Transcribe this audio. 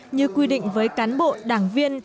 như quy định với cán bộ đảng viên